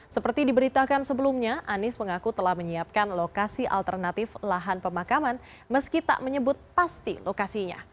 seperti diberitakan sebelumnya anies mengaku telah menyiapkan lokasi alternatif lahan pemakaman meski tak menyebut pasti lokasinya